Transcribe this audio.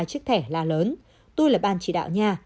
chiếc thẻ la lớn tôi là bàn chỉ đạo nha